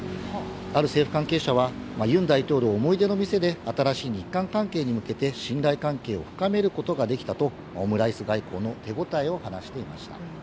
ある政府関係者は尹大統領思い出の店で新しい日韓関係に向けて信頼関係を深めることができたとオムライス外交の手ごたえを話していました。